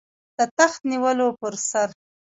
د تخت نیولو پر سر.